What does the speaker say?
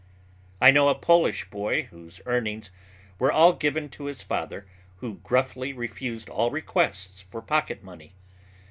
I know a Polish boy whose earnings were all given to his father who gruffly refused all requests for pocket money.